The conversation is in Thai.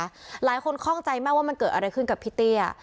หลายคนคล่องใจมากว่ามันเกิดอะไรขึ้นกับพี่เตี้ย